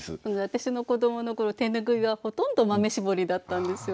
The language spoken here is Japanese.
私の子どもの頃手拭いはほとんど豆絞りだったんですよ。